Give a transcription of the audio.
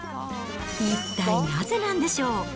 一体なぜなんでしょう。